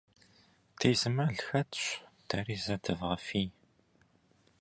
Ди зы мэл хэтщ, дэри зэ дывгъэфий.